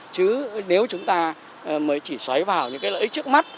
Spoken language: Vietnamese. chứ nếu chúng ta mới chỉ xoáy vào những cái lợi ích trước mắt